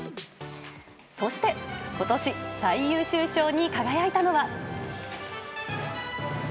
そして今年最優秀賞に輝いたのは。